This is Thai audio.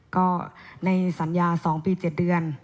ก็ในสัญญา๒ปี๗เดือน